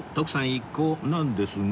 一行なんですが